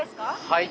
はい。